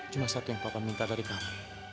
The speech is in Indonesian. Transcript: cuma satu yang papa minta dari kami